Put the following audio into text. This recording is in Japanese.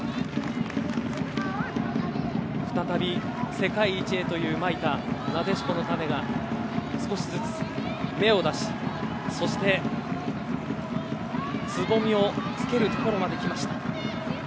再び世界一へということでまいた、なでしこの種が少しずつ、芽を出しそしてつぼみをつけるところまで来ました。